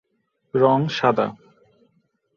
রং সাদা।